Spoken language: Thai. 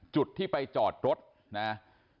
จุดที่ไปจอดรถนะ